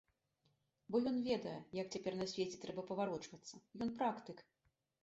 Бо ён ведае, як цяпер на свеце трэба паварочвацца, ён практык.